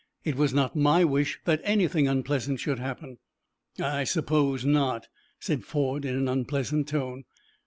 "It was not my wish that anything unpleasant should happen." "I suppose not," said Ford, in an unpleasant tone.